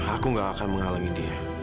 aku gak akan mengalami dia